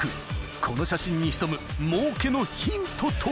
［この写真に潜む儲けのヒントとは？］